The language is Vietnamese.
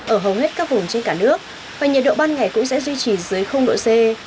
ở hầu hết các vùng trên cả nước và nhiệt độ ban ngày cũng sẽ duy trì dưới độ c